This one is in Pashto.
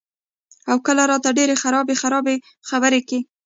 او کله راته ډېرې خرابې خرابې خبرې کئ " ـ